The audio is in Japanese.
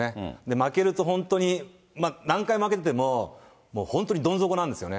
負けると本当に、何回負けてても、本当にどん底なんですよね。